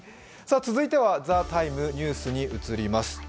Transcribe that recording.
続いては「ＴＨＥＴＩＭＥ，ニュース」に移ります。